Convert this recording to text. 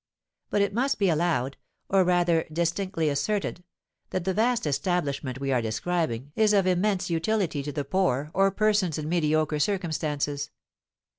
But it must be allowed, or rather distinctly asserted, that the vast establishment we are describing is of immense utility to the poor or persons in mediocre circumstances.